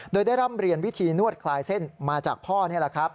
โดยได้ร่ำเรียนวิธีนวดคลายเส้นมาจากพ่อนี่แหละครับ